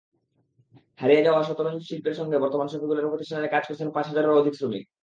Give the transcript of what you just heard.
হারিয়ে যাওয়া শতরঞ্জিশিল্পের সঙ্গে বর্তমানে সফিকুলের প্রতিষ্ঠানে কাজ করছেন পাঁচ হাজারের অধিক শ্রমিক।